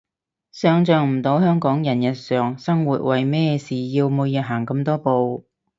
想像唔到香港人日常生活為咩事要每日行咁多步